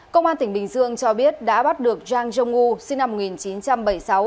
công an tỉnh bình dương cho biết đã bắt được zhang zhongwu sinh năm một nghìn chín trăm bảy mươi sáu